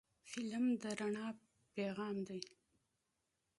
فلم د رڼا پیغام دی